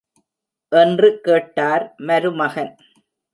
என்று கேட்டார் மருமகன்.